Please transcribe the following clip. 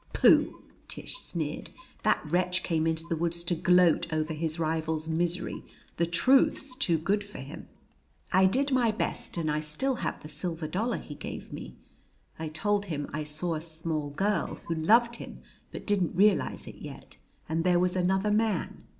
"Pooh!" Tish sneered. "That wretch came into the woods to gloat over his rival's misery. The truth's too good for him." I did my best, and I still have the silver dollar he gave me. I told him I saw a small girl, who loved him but didn't realize it yet, and there was another man.